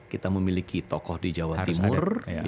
kita memiliki tokoh di jawa timur